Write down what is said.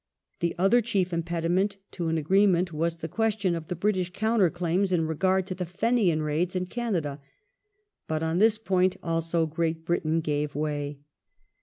The other chief impediment to an agreement was the ques tion of the British counter claims in regard to the Fenian raids in Canada. But on this point, also, Great Britain gave way.